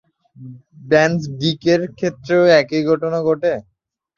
ব্রান্স-ডিকের ক্ষেত্রেও একই ঘটনা ঘটে।